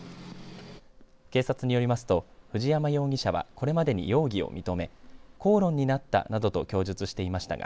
警察によりますと藤山容疑者はこれまでに容疑を認め口論になったなどと供述していましたが